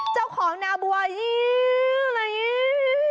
เจ้าของนาบัวยี๋มยี๋ม